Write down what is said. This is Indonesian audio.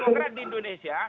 dan itu tadi di indonesia